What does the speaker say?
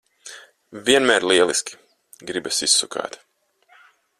Vienmēr lieliski! Gribas izsukāt.